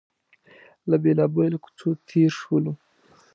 له بېلابېلو کوڅو تېر شولو.